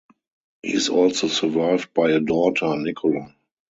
He is also survived by a daughter, Nicola.